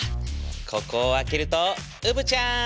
ここを開けるとうぶちゃん。